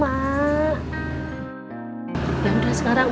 tadi kan lo udah suruh dia turun